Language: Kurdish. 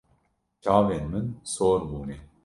Çavên min sor bûne.